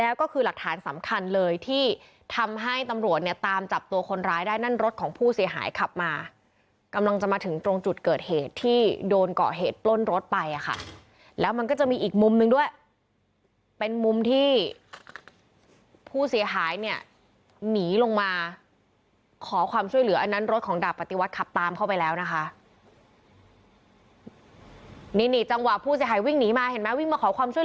แล้วก็คือหลักฐานสำคัญเลยที่ทำให้ตำรวจเนี่ยตามจับตัวคนร้ายได้นั่นรถของผู้เสียหายขับมากำลังจะมาถึงตรงจุดเกิดเหตุที่โดนเกาะเหตุปล้นรถไปอ่ะค่ะแล้วมันก็จะมีอีกมุมหนึ่งด้วยเป็นมุมที่ผู้เสียหายเนี่ยหนีลงมาขอความช่วยเหลืออันนั้นรถของดาบปฏิวัติขับตามเข้าไปแล้วนะคะนี่นี่จังหวะผู้เสียหายวิ่งหนีมาเห็นไหมวิ่งมาขอความช่วย